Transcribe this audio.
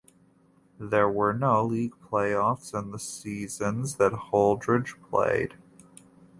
There were no league playoffs in the seasons that Holdrege played.